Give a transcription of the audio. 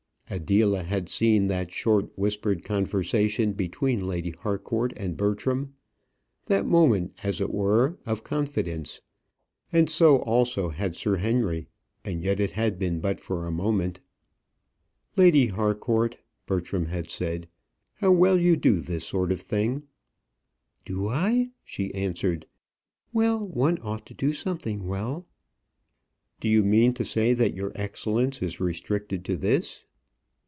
Adela had seen that short, whispered conversation between Lady Harcourt and Bertram that moment, as it were, of confidence; and so, also, had Sir Henry; and yet it had been but for a moment. "Lady Harcourt," Bertram had said, "how well you do this sort of thing!" "Do I?" she answered. "Well, one ought to do something well." "Do you mean to say that your excellence is restricted to this?"